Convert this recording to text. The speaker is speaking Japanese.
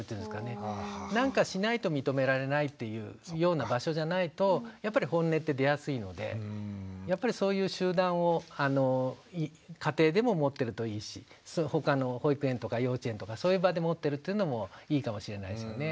何かしないと認められないっていうような場所じゃないとやっぱりホンネって出やすいのでやっぱりそういう集団を家庭でも持ってるといいし他の保育園とか幼稚園とかそういう場で持ってるっていうのもいいかもしれないですよね。